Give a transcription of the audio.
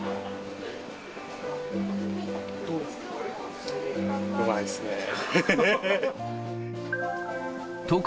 どうですか？